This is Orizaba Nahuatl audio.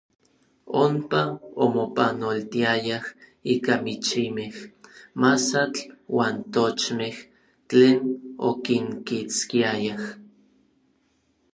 Onpa omopanoltiayaj ika michimej, masatl uan tochmej tlen okinkitskiayaj.